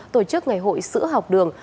tổ chức ngày hội sữa học đường